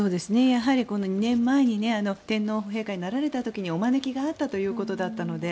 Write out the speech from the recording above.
やはり２年前に天皇陛下になられた時にお招きがあったということだったので。